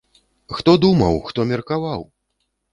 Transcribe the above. Хто думаў, хто меркаваў!